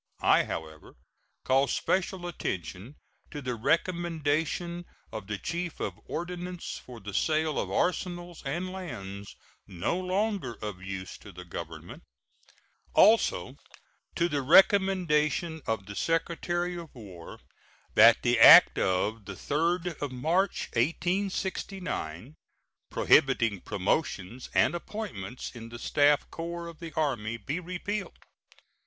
I, however, call special attention to the recommendation of the Chief of Ordnance for the sale of arsenals and lands no longer of use to the Government; also, to the recommendation of the Secretary of War that the act of 3d March, 1869, prohibiting promotions and appointments in the staff corps of the Army, be repealed.